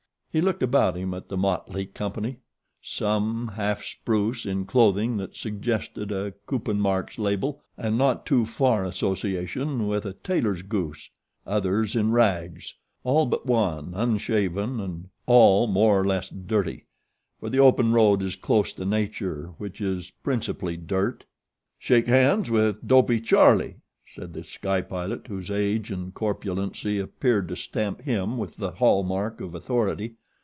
He looked about him at the motley company, some half spruce in clothing that suggested a Kuppenmarx label and a not too far association with a tailor's goose, others in rags, all but one unshaven and all more or less dirty for the open road is close to Nature, which is principally dirt. "Shake hands with Dopey Charlie," said The Sky Pilot, whose age and corpulency appeared to stamp him with the hall mark of authority.